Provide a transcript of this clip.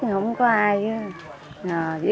không có ai